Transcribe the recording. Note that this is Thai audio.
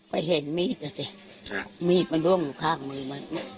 ไปเห็นมีดอ่ะสิมีดมาด้วงอยู่ข้างมือมัน